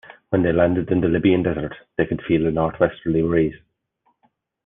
When they landed in the Libyan Desert they could feel a northwesterly breeze.